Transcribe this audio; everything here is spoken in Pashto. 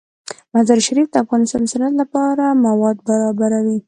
مزارشریف د افغانستان د صنعت لپاره مواد برابروي.